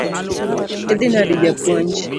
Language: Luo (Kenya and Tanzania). Idhi nade japuonj?